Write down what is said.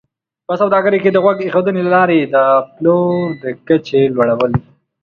په سوداګرۍ کې د غوږ ایښودنې له لارې د پلور د کچې لوړول